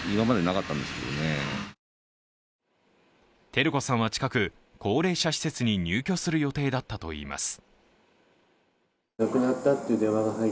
照子さんは近く、高齢者施設に入居する予定だったといいます。